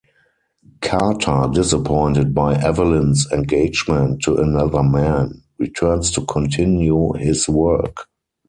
Carter, disappointed by Evelyn's engagement to another man, returns to continue his work.